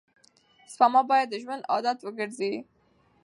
سپما باید د ژوند عادت وګرځي.